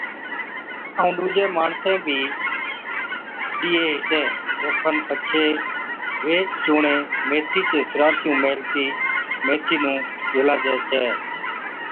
ائُون ڏُوجين ماڻسين بِي ڏيئَي ھِتين۔ اوکن پڇي ويھِچ چُونڻين ميٿي چي سِرھانٿِيُون ميھلتِي ميٿي نُون جھُلاجي ڇَي